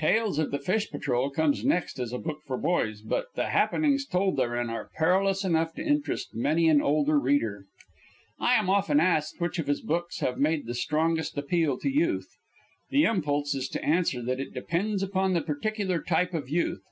"Tales of the Fish Patrol" comes next as a book for boys; but the happenings told therein are perilous enough to interest many an older reader. I am often asked which of his books have made the strongest appeal to youth. The impulse is to answer that it depends upon the particular type of youth.